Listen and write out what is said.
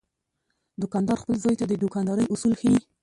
دوکاندار خپل زوی ته د دوکاندارۍ اصول ښيي.